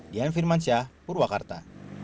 dian firman syah purwakarta